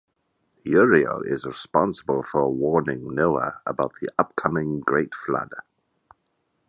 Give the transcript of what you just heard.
Uriel is responsible for warning Noah about the upcoming Great Flood.